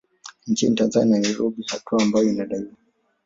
Nchini Tanzania na Nairobi hatua ambayo inadaiwa